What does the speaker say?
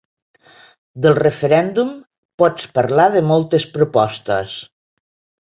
Del referèndum pots parlar de moltes propostes.